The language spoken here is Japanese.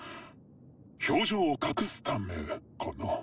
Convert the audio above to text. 表情を隠すためかな。